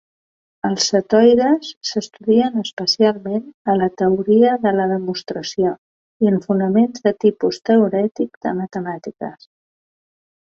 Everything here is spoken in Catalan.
Els setoides s'estudien especialment a la teoria de la demostració i en fonaments de tipus teorètic de matemàtiques.